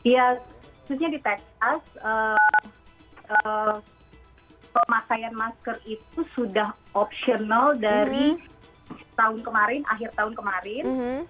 ya khususnya di texas pemakaian masker itu sudah optional dari tahun kemarin akhir tahun kemarin